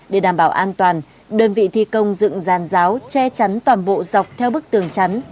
để đảm bảo an toàn đơn vị thi công dựng giàn giáo che chắn toàn bộ dọc theo bức tường chắn